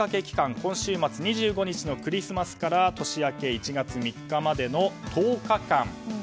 今週末２５日のクリスマスから年明け１月３日までの１０日間。